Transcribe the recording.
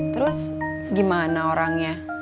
terus gimana orangnya